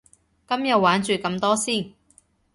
今日玩住咁多先